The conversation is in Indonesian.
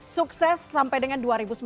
sukses sampai dengan dua ribu sembilan belas